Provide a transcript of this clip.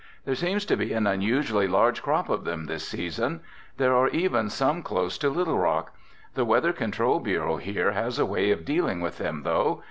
"There seems to be an unusually large crop of them this season. There are even some close to Little Rock. The Weather Control Bureau here has a way of dealing with them, though.